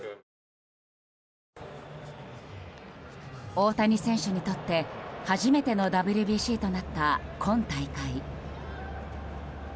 大谷選手にとって初めてのＷＢＣとなった今大会。